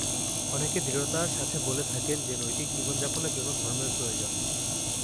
অনেকে দৃঢ়তার সাথে বলে থাকেন যে নৈতিক জীবনযাপনের জন্য ধর্মের প্রয়োজন।